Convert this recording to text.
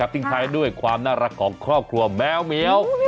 ทิ้งท้ายด้วยความน่ารักของครอบครัวแมวเหมียว